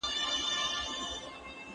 هغوی ستاسو امانت دي.